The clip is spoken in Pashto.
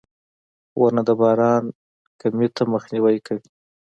• ونه د باران کمي ته مخنیوی کوي.